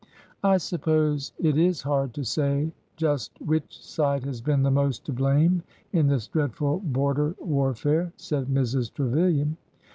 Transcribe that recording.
"'' I suppose it is hard to say just which side has been the most to blame in this dreadful border warfare," said Mrs. Trevilian.